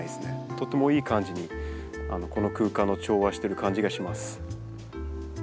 とってもいい感じにこの空間の調和をしてる感じがします。